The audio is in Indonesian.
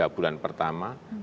tiga bulan pertama